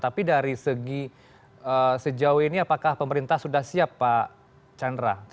tapi dari segi sejauh ini apakah pemerintah sudah siap pak chandra